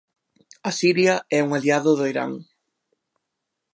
A Siria é un aliado do Irán.